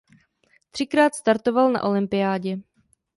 Třikrát startoval na olympiádě.